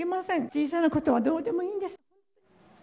小さなことはどうでもいいんです。